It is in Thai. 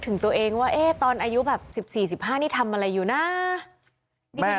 ถึงตัวเองว่าตอนอายุแบบ๑๔๑๕นี่ทำอะไรอยู่นะ